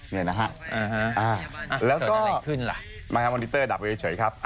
นี่นะครับแล้วก็มาครับมอร์นิเตอร์ดับไว้เฉยครับ